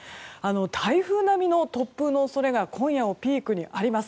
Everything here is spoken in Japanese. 台風並みの突風の恐れが今夜をピークにあります。